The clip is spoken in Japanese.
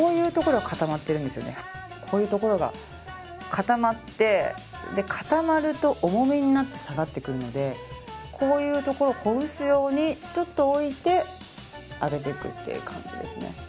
こういう所が固まって固まると重みになって下がってくるのでこういう所をほぐすようにちょっと置いて上げていくという感じです。